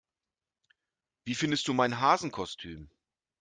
Wie findest du mein Hasenkostüm?